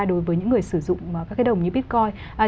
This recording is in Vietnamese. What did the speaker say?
đối với những người sử dụng các cái đồng như bitcoin